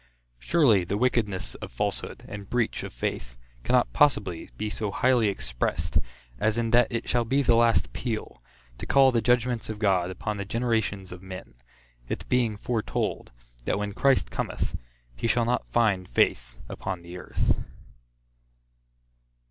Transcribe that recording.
Surely the wickedness of falsehood, and breach of faith, cannot possibly be so highly expressed, as in that it shall be the last peal, to call the judgments of God upon the generations of men; it being foretold, that when Christ cometh, he shall not find faith upon the earth.